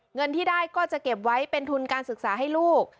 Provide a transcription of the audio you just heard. เงินที่ได้ก็จะเก็บไว้เป็นทุนการศึกษาให้ลูก